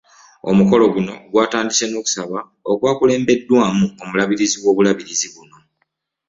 Omukolo guno gwatandise n'okusaba okwakulembeddwamu omulabirizi w'obulabirizi buno